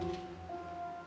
masa bersikap sama anak kecil